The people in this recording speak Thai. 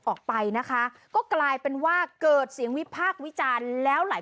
ออกไปนะคะก็กลายเป็นว่าเกิดเสียงวิพากษ์วิจารณ์แล้วหลาย